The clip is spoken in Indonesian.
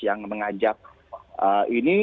yang mengajak ini